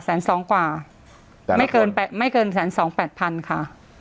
แต่ไม่เกิน๑๒๘๐๐๐ค่ะ